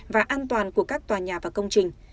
và an toàn của các tòa nhà và công trình